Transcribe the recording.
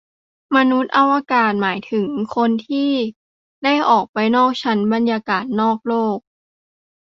มนุษย์อวกาศ หมายถึงคนที่ได้ออกไปนอกชั้นบรรยากาศโลก